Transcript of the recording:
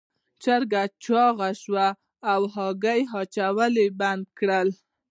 چرګه چاغه شوه او هګۍ اچول یې بند کړل.